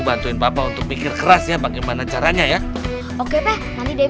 bantuin bapak untuk pikir keras ya bagaimana caranya ya oke deh nanti dia